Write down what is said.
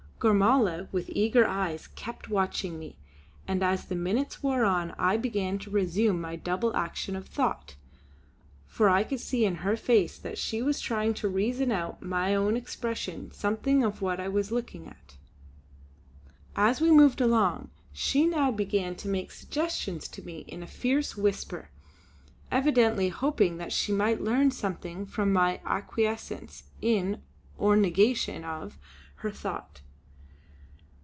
Gormala with eager eyes kept watching me; and as the minutes wore on I began to resume my double action of thought, for I could see in her face that she was trying to reason out from my own expression something of what I was looking at. As we moved along she now began to make suggestions to me in a fierce whisper, evidently hoping that she might learn something from my acquiescence in, or negation of, her thought.